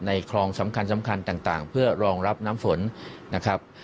คลองสำคัญต่างเพื่อรองรับน้ำฝนนะครับ